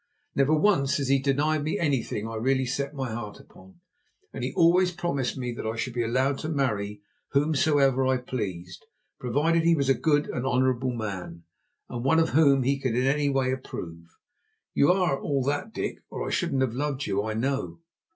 Never once has he denied me anything I really set my heart upon, and he always promised me that I should be allowed to marry whomsoever I pleased, provided he was a good and honourable man, and one of whom he could in any way approve. And you are all that, Dick, or I shouldn't have loved you, I know."